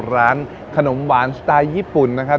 ร้านขนมหวานสไตล์ญี่ปุ่นนะครับ